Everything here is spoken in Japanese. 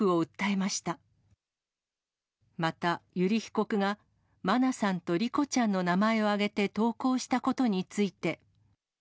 また油利被告が、真菜さんと莉子ちゃんの名前を挙げて投稿したことについて。